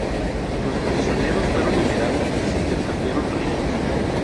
Los prisioneros fueron liberados y se intercambiaron rehenes.